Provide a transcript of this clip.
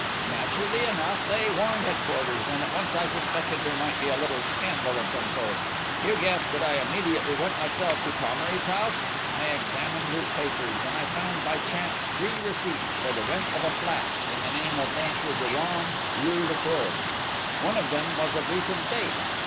"Naturally enough, they warned Headquarters, and at once I suspected there might be a little scandal of some sort.... You guess that I immediately went myself to Thomery's house?... I examined his papers; and I found by chance three receipts for the rent of a flat, in the name of Monsieur Durand, rue Lecourbe. One of them was of recent date.